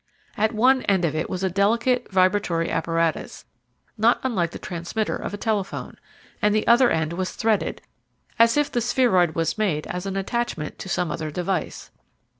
At one end of it was a delicate, vibratory apparatus, not unlike the transmitter of a telephone, and the other end was threaded, as if the spheroid was made as an attachment to some other device.